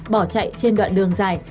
bỏ chạy trên đoạn đường dài